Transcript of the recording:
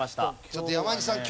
ちょっと山西さん